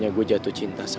kalau gue jatuh cinta sama lo